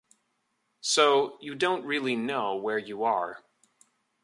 So, you don't really know where you are.